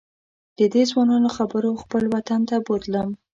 ددې ځوانانو خبرو خپل وطن ته بوتلم.